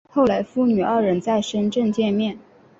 后来父女二人在深圳见面。